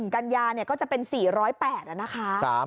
๑กันยาเนี่ยก็จะเป็น๔๐๘แล้วนะคะ